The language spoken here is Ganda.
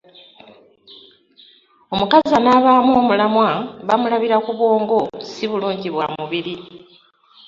Omukazi anaabaamu omulamwa bamulabira ku bwongo si bulungi bwa mubiri.